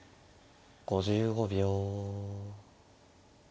５５秒。